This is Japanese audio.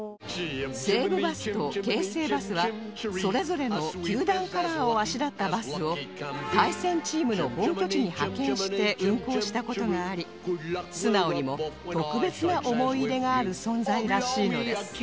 西武バスと京成バスはそれぞれの球団カラーをあしらったバスを対戦チームの本拠地に派遣して運行した事がありすなおにも特別な思い入れがある存在らしいのです